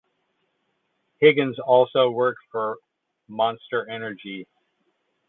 Higgins also worked for Monster Energy.